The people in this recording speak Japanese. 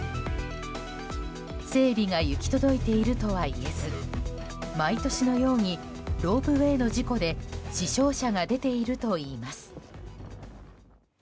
整備が行き届いているとはいえず毎年のようにロープウェーの事故で死傷者が出ているといいます。